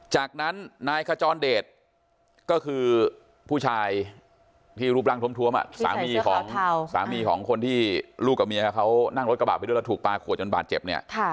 จากนั้นนายขจรเดชก็คือผู้ชายที่รูปร่างทวมสามีของสามีของคนที่ลูกกับเมียเขานั่งรถกระบะไปด้วยแล้วถูกปลาขวดจนบาดเจ็บเนี่ย